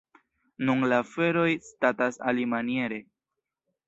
Nun la aferoj statas alimaniere.